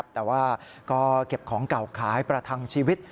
แต่ว่าก็เก็บของเก่าขายประทังชีวิต